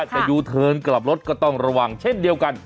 ยูเทิร์นกลับรถก็ต้องระวังเช่นเดียวกัน